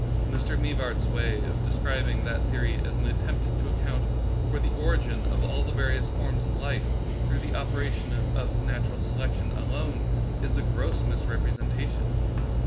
Mr. Mivart's way of describing that theory as an attempt to account for the origin of all the various forms of life through the operation of natural selection alone is a gross misrepresentation.